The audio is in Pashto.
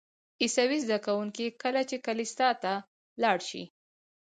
عیسوي زده کوونکي کله چې کلیسا ته لاړ شي.